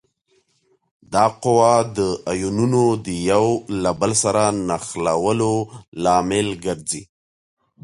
دا قوه د آیونونو د یو له بل سره نښلولو لامل ګرځي.